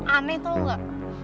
aneh tau nggak